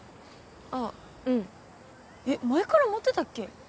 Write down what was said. あっうんえっ前から持ってたっけ？